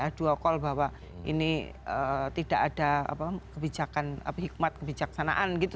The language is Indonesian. aduh okol bahwa ini tidak ada hikmat kebijaksanaan gitu